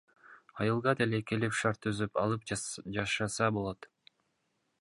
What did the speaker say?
Айылга деле келип шарт түзүп алып жашаса болот.